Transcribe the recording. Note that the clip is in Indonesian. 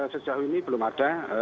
sejauh ini belum ada